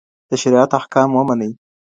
د شریعت احکام ومنئ.